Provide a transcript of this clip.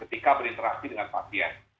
ketika berinteraksi dengan pasien